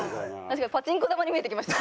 パチンコ玉に見えてきました。